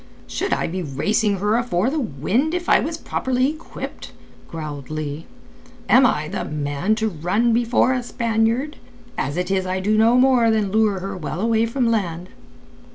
"Should I be racing her afore the Wind if I as properly equipped?" growled Leigh. "Am I the man to run before a Spaniard? As it is I do no more than lure her well away from land."